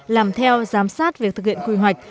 làm theo giám sát việc thực hiện quy hoạch